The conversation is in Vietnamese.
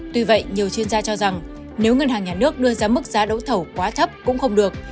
tuy vậy nhiều chuyên gia cho rằng nếu ngân hàng nhà nước đưa ra mức giá đấu thầu quá thấp cũng không được